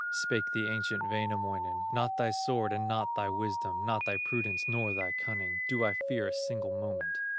Spake the ancient Wainamoinen: "Not thy sword and not thy wisdom, Not thy prudence, nor thy cunning, Do I fear a single moment.